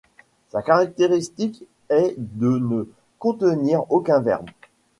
Sa caractéristique est de ne contenir aucun verbe.